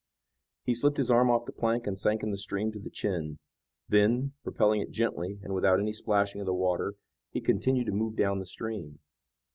He slipped his arm off the plank and sank in the stream to the chin. Then, propelling it gently and without any splashing of the water, he continued to move down the stream.